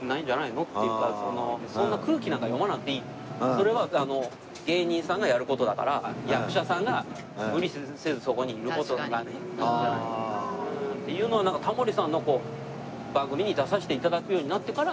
それは芸人さんがやる事だから役者さんが無理せずそこにいる事がねいいんじゃない？っていうのをタモリさんの番組に出させて頂くようになってから。